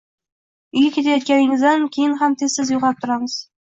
Uyga ketganingizdan keyin ham tez-tez yo`qlab turamiz